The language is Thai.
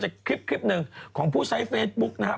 จากคลิปนึงของผู้ใช้เฟซบุ๊คนะฮะ